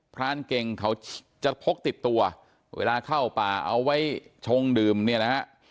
รานเก่งเขาจะพกติดตัวเวลาเข้าป่าเอาไว้ชงดื่มเนี่ยนะฮะ